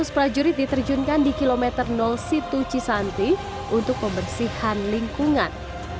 tujuh ratus prajurit diterjunkan di kilometer situ cisanti untuk pembersihan lingkungan